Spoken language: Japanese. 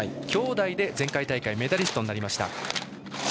兄弟で前回大会メダリストになりました。